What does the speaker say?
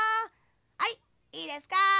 はいいいですか？」。